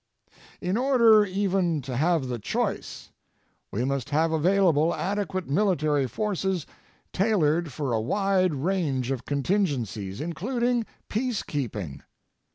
In order even to have the choice, we must have available adequate military forces tailored for a wide range of contingencies, including peacekeeping.